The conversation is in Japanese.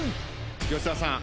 吉沢さん